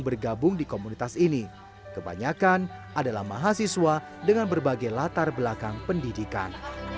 bergabung di komunitas ini kebanyakan adalah mahasiswa dengan berbagai latar belakang pendidikan